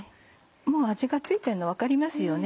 もう味が付いてんの分かりますよね